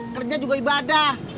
kerja juga ibadah